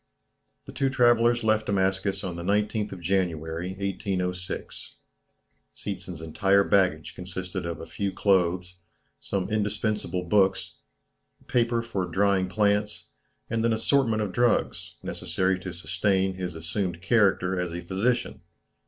The two travellers left Damascus on the 19th of January, 1806. Seetzen's entire baggage consisted of a few clothes, some indispensable books, paper for drying plants, and an assortment of drugs, necessary to sustain his assumed character as a physician.